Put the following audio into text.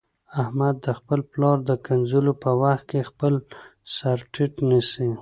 احمد د خپل پلار د کنځلو په وخت کې خپل سرټیټ نیسي.